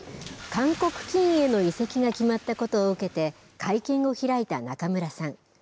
韓国棋院への移籍が決まったことを受け、会見を開いた仲邑さん。